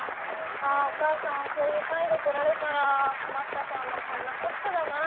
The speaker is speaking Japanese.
あーあ、お母さんそういう態度取られたら困ったさんのパンナコッタだな。